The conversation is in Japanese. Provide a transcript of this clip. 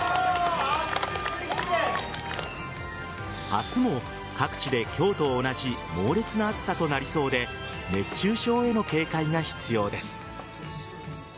明日も各地で今日と同じ猛烈な暑さとなりそうで熱中症への警戒が必要です。